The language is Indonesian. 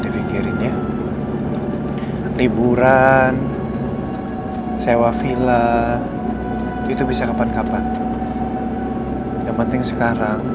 aku masih harus sembunyikan masalah lo andin dari mama